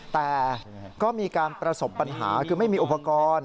แต่ก็มีการประสบปัญหาคือไม่มีอุปกรณ์